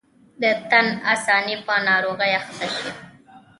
د تن آساني په ناروغۍ اخته شي.